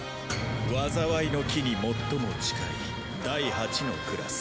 災いの樹に最も近い第８のクラス。